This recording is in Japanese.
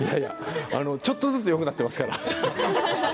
ちょっとずつよくなってますから。